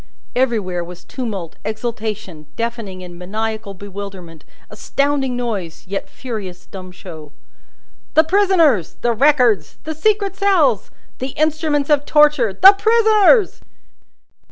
Everywhere was tumult, exultation, deafening and maniacal bewilderment, astounding noise, yet furious dumb show. "The Prisoners!" "The Records!" "The secret cells!" "The instruments of torture!" "The Prisoners!"